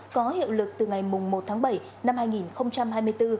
có hiệu lực từ ngày một tháng bảy năm hai nghìn hai mươi bốn